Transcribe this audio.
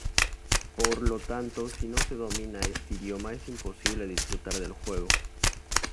Por lo tanto, si no se domina este idioma es imposible disfrutar del juego.